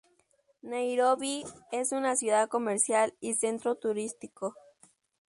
Nairobi: Es una ciudad comercial y centro turístico.